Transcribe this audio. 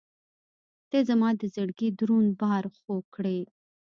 • ته زما د زړګي دروند بار خوږ کړې.